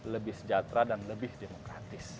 lebih sejahtera dan lebih demokratis